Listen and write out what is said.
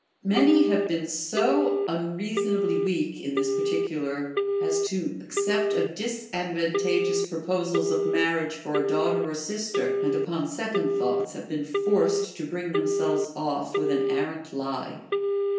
Many have been so unreasonably %veak in this particular as to accept of dis advantageous proposals of marriage for a daughter or sister, and upon second thoughts have been forced to bring them selves off with an arrant lie.